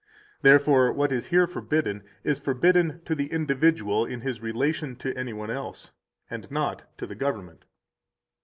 Therefore, what is here forbidden is forbidden to the individual in his relation to any one else, and not to the government.